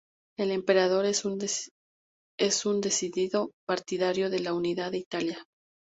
El emperador es un decidido partidario de la unidad de Italia.